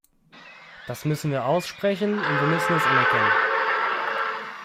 Das müssen wir aussprechen, und wir müssen es anerkennen.